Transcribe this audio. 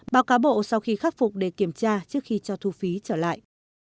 báo cáo bộ sau khi khắc phục để kiểm tra trước khi cho thu phí trở lại